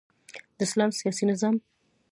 د اسلام سیاسی نظام